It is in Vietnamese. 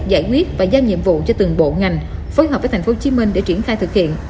giải quyết và giao nhiệm vụ cho từng bộ ngành phối hợp với tp hcm để triển khai thực hiện